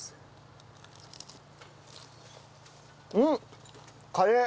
うん！